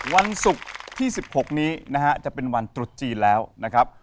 วันศุกร์ที่๑๖นี้นะฮะจะเป็นวันตรุษจีนแล้วนะครับ